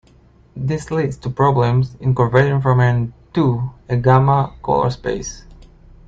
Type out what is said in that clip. This leads to problems in converting from and to a gamma colorspace.